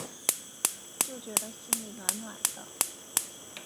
就觉得心里暖暖的